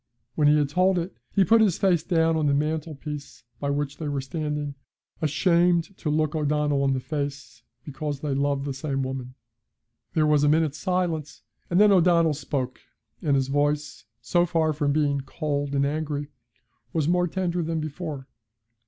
When he had told it he put his face down on the mantelpiece by which they were standing, ashamed to look O'Donnell in the face because they loved the same woman. There was a minute's silence, and then O'Donnell spoke, and his voice, so far from being cold and angry, was more tender than before.